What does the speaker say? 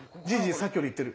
さっきよりいってる。